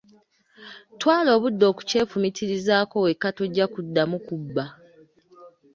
Twala obudde okukyefumiitrizaako wekka tojja kuddamu kubba.